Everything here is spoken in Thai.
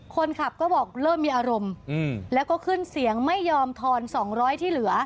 คนขับก็บอกเริ่มมีอารมณ์แล้วก็ขึ้นเสียงไม่ยอมทอน๒๐๐ที่เหลือ